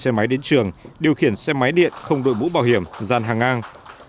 xe máy đến trường điều khiển xe máy điện không đội mũ bảo hiểm gian hàng ngang